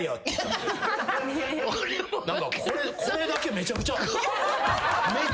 これだけめちゃくちゃ。